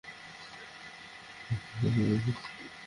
এই নিমন্ত্রণপত্র দিয়ে কী করব?